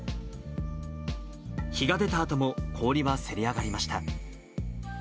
日が出たあとも氷はせり上がりました。